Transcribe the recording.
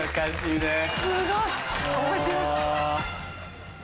すごい面白い。